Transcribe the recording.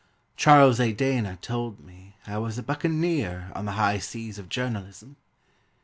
Charles A. Dana told me I was a buccaneer On the high seas of journalism.